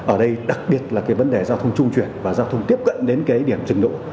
ở đây đặc biệt là cái vấn đề giao thông trung chuyển và giao thông tiếp cận đến cái điểm trình độ